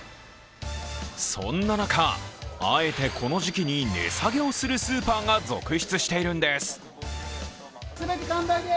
そんな中、あえてこの時期に値下げをするスーパーが続出しているんです。